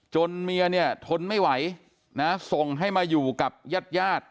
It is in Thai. เมียเนี่ยทนไม่ไหวนะส่งให้มาอยู่กับญาติญาติ